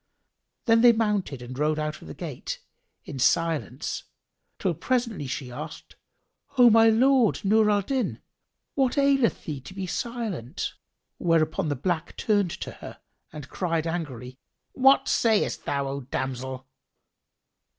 Then they mounted and rode out of the gate[FN#5] in silence till presently she asked, "O my lord Nur al Din, what aileth thee to be silent?" Whereupon the black turned to her and cried angrily, "What sayst thou, O damsel?"